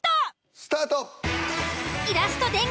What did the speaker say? スタート。